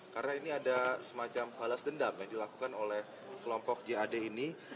karena ini ada semacam balas dendam yang dilakukan oleh kelompok jad ini